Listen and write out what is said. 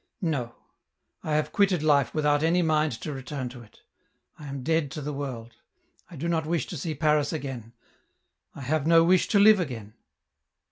" No. I have quitted life without any mind to return to it. I am dead to the world. I do not wish to see Paris again. I have no wish to live again.